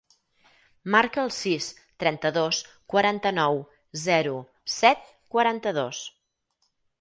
Marca el sis, trenta-dos, quaranta-nou, zero, set, quaranta-dos.